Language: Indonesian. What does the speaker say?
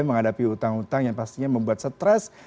menghadapi utang utang yang pastinya membuat stres